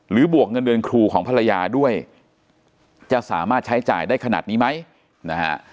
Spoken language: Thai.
บวกเงินเดือนครูของภรรยาด้วยจะสามารถใช้จ่ายได้ขนาดนี้ไหมนะฮะ